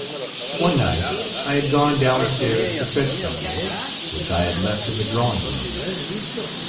One night I had gone downstairs to fetch something which I had left in the drawing room.